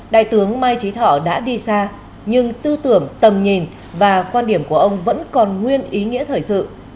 đại tướng mai trí thọ đã đi xa nhưng tư tưởng tầm nhìn và quan điểm của ông vẫn còn nguyên ý nghĩa thời sự